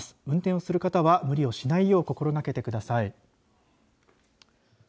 運転をする方は無理をしないよう心掛けてください。